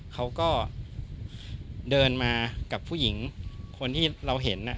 เขาก็เดินมากับผู้หญิงคนที่เราเห็น